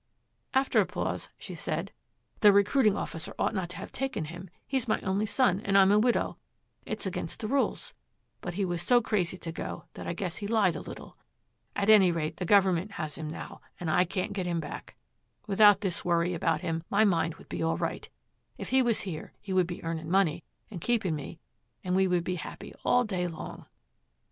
After a pause, she said, 'The recruiting officer ought not to have taken him; he's my only son and I'm a widow; it's against the rules, but he was so crazy to go that I guess he lied a little. At any rate, the government has him now and I can't get him back. Without this worry about him, my mind would be all right; if he was here he would be earning money and keeping me and we would be happy all day long.'